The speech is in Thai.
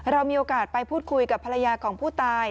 เรามีโอกาสไปพูดคุยกับภรรยาของผู้ตาย